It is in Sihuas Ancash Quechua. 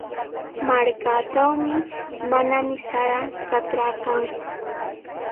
Markaatrawmi manami sara trakra kanku.